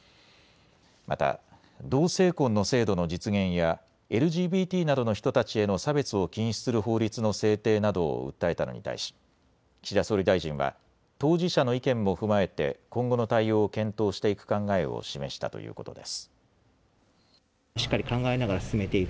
また、同性婚の制度の実現やＬＧＢＴなどの人たちへの差別を禁止する法律の制定などを訴えたのに対し、岸田総理大臣は、当事者の意見も踏まえて、今後の対応を検討していく考えを示したということです。